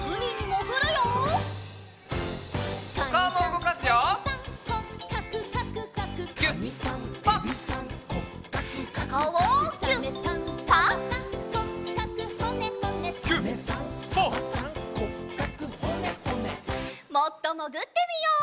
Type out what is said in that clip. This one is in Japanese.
もっともぐってみよう。